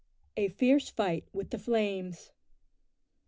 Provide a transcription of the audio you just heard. A FIERCE FIGHT WITH THE FLAMES.